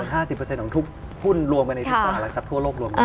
เกิน๕๐ของทุกหุ้นรวมไปในศาลักษณะทั่วโลกรวมกัน